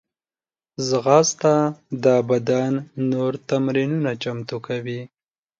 ځغاسته د بدن نور تمرینونه چمتو کوي